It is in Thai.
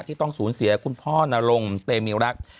ที่ต้องสูญเสียคุณพ่อนรงเตมีรัก